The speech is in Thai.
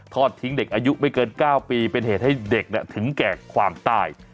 ทิ้งเด็กอายุไม่เกิน๙ปีเป็นเหตุให้เด็กถึงแก่ความตาย